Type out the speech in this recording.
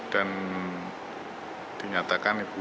dan diberitakan bahwa ratna sarumpait